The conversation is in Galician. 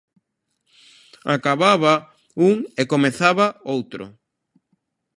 Acababa un e comezaba outro.